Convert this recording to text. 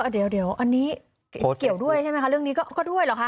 เดี๋ยวอันนี้เกี่ยวด้วยใช่ไหมคะเรื่องนี้ก็ด้วยเหรอคะ